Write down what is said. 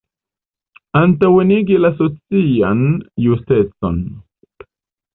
Antaŭenigi la socian justecon.